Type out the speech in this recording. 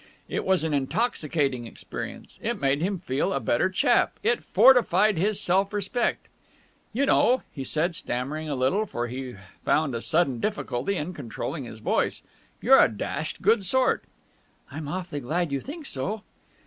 It was an intoxicating experience. It made him feel a better chap. It fortified his self respect. "You know," he said, stammering a little, for he found a sudden difficulty in controlling his voice. "You're a dashed good sort!" "I'm awfully glad you think so."